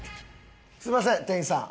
すみません店員さん。